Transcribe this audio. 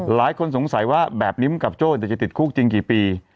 หลายคนสงสัยว่าแบบนี้ภูมิกับโจ้จะติดคุกจริงกี่ปี